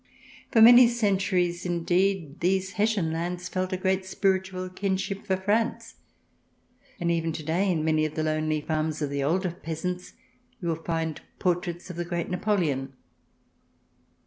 For many centuries, indeed, these Hessian lands felt a great spiritual kinship for France, and even to day in many of the lonely farms of the older peasants you will find portraits of the great Napo leon.